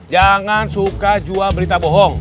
jangan suka jual berita bohong